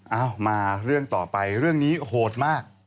เอามาเรื่องต่อไปเรื่องนี้โหดมาก